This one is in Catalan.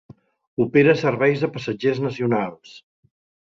Opera serveis de passatgers nacionals.